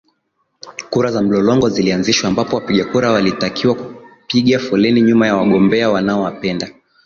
kura za mlolongo zilianzishwa ambapo wapigakura walitakiwa kupiga foleni nyuma ya wagombea wanaowapenda